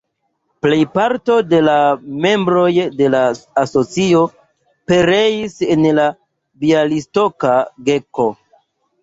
Plejparto de la membroj de la asocio pereis en la bjalistoka geto.